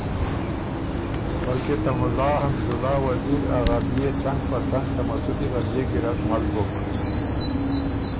بلکې ته مُلا حمزالله وزیر غدئے څنګ په څنګ ته مسُدی غدئے ګیرډ مل بُک۔